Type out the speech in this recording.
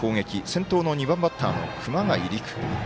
先頭の２番バッターの熊谷陸。